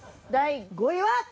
第５位は？